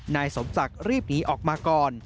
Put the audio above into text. นายสมศักดิ์รีบหนีออกมาก่อน